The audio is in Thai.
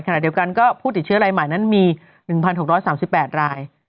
ขณะเดียวกันก็ผู้ติดเชื้อรายใหม่นั้นมี๑๖๓๘ราย